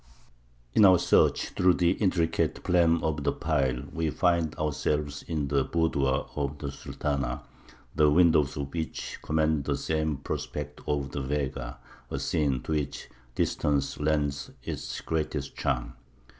In our search through the intricate plan of the pile, we find ourselves in the boudoir of the Sultana, the windows of which command the same prospect over the Vega, a scene to which distance lends its greatest charm.